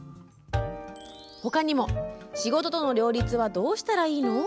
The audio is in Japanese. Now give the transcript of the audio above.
ほかにも「仕事との両立はどうしたらいいの？」